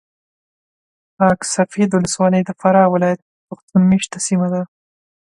خاک سفید ولسوالي د فراه ولایت پښتون مېشته سیمه ده .